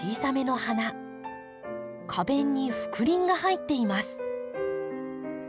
花弁に覆輪が入っています。